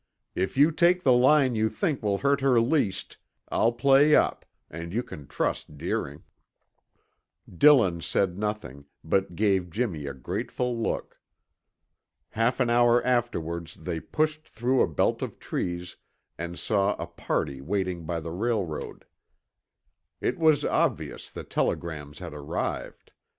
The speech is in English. If you take the line you think will hurt her least, I'll play up, and you can trust Deering." Dillon said nothing, but gave Jimmy a grateful look. Half an hour afterwards they pushed through a belt of trees and saw a party waiting by the railroad. It was obvious the telegrams had arrived.